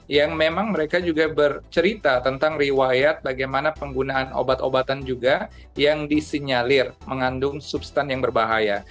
yang memang mereka juga bercerita tentang riwayat bagaimana penggunaan obat obatan juga yang disinyalir mengandung substan yang berbahaya